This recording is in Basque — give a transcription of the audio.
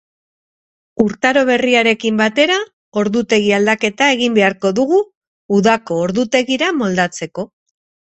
Urtaro berriarekin batera ordutegi aldaketa egin beharko dugu, udako ordutegira moldatzeko.